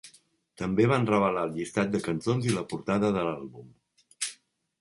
També van revelar el llistat de cançons i la portada de l'àlbum.